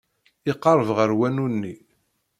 Iqerreb ɣer wanu-nni.